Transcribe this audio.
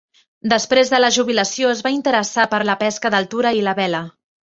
Després de la jubilació es va interessar per la pesca d'altura i la vela.